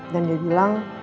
dan dia bilang